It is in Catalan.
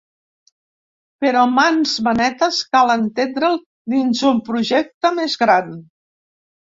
Però ‘Mans manetes’ cal entendre’l dins un projecte més gran.